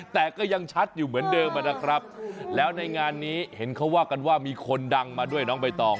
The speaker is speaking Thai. แต่ก็ยังชัดอยู่เหมือนเดิมนะครับแล้วในงานนี้เห็นเขาว่ากันว่ามีคนดังมาด้วยน้องใบตอง